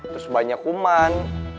terus banyak kuman